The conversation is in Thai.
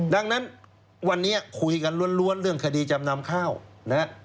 ดังนั้นวันนี้คุยกันล้วนเรื่องคดีจำนำข้าวนะฮะ